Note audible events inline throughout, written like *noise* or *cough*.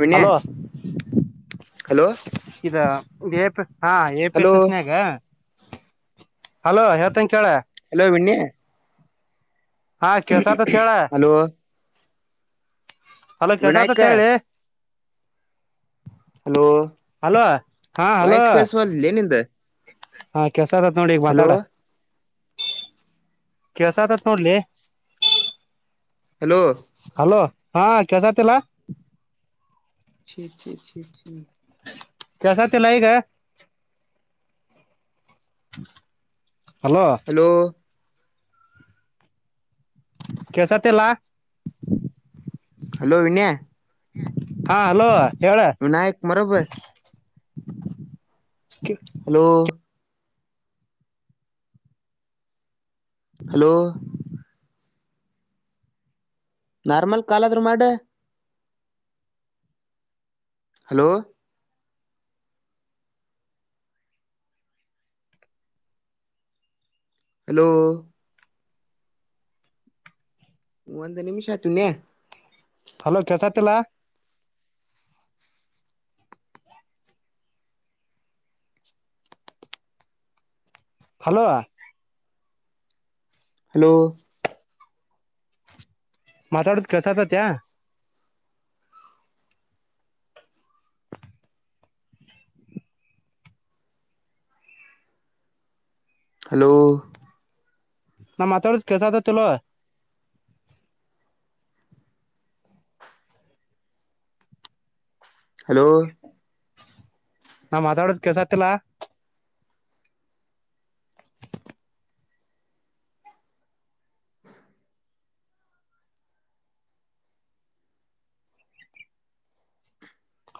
ವಿನಯ hello hello ಇದ ಹಾ ಎ ಪಿ ಹಲೋ ಎಸ್ ಎಸ್ನಾಗ ಹಲೋ ಯೇತನ್ ಕೇಳ ಹಲೋ ವಿಣ ಹಾ ಕೆಸ ತ ಕೆಳ ಹಲೋ ಹಲೋ ಕೆಸ ಆತ ವಿನಾಯಕ ಕೇಳಿ ಹಲೋ ಹಲೋ ಹಾ ಹಲೋ ವಯಸ್ ಕೇಳಸಲ್ಲ ಏನಿಂದ ಹಾ ಕೆಸದತ್ ನೋಡಿ ಮಾತಾಡ ಕೆಲಸ ಆತತ್ ನೋಡ್ಲಿ ಹಲೋ ಹಲೋ ಹಾ ಕೆಸತಿಲ್ಲ *inaudible* ಕೆಸ ತಲಾ ಈಗ ಹಲೋ ಕಸ ತಲ್ಲಾ ಹಲೋ ವಿನಯ ಹಾ ಹಲೋ ಹೇಳ ವಿನಾಯಕ್ ಮರಬ್ ಹಲೋ ಹಲೋ ನಾರ್ಮಲ್ ಕಾಲಾದ್ರರು ಮಾಡ ಹಲೋ ಹಲೋ ಒಂದು ನಿಮಿಷ ಆತುನ್ಯ ಹಲೋ ಕೆಲ್ಸತ್ತಿಲ್ಲ ಹಲೋ ಹಲೋ ಮಾತಾಡ ಕೆಲ್ಸಕತ್ಯತ *unintelligible* ಹಲೋ ನಾ ಮಾತಾಡಕ್ಕೆ ಇಲ್ವೋ ಹಲೋ ನಾ ಮಾತಾಡೋದ ಕೆಲ್ಸ ಆತ್ತಲ್ಲ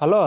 ಹಲೋ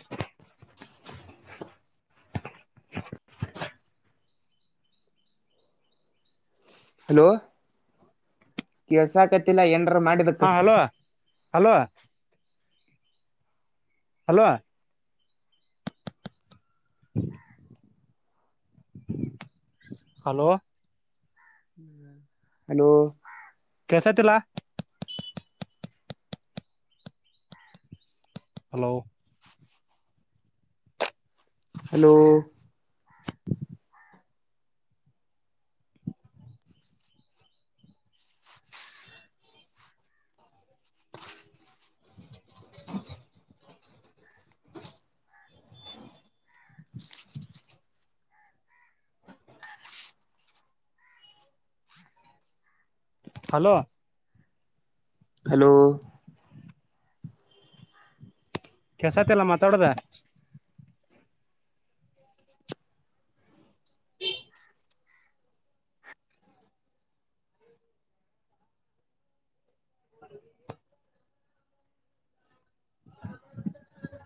ಹ *inaudible* ಹಲೋ ಕೆಳ್ಸ ಕತ್ತಲ ಏನ್ ಹಾ ಹಲೋ ಹಲೋ ಹಲೋ ಗ್ *inaudible* ಹಲೋ ಹಲೋ ಕೆಸತಿಲ್ಲ ಹಲೋ ಹಲೋ *inaudible* ಹಲೋ ಹಲೋ ಕೆಸತಲ್ಲ ಮಾತಾಡೋದು ಹ ಹ್ಮ *inaudible* ಗೆ *inaudible*